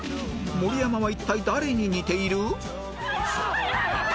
盛山は一体誰に似ている？